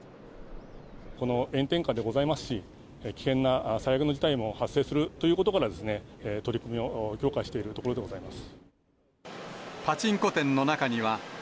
この炎天下でございますし、危険な最悪の事態も発生するということから、取り組みを強化してパチンコ店の中には、ＳＴＯＰ！